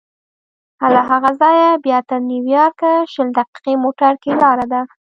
له هغه ځایه بیا تر نیویارکه شل دقیقې موټر کې لاره ده.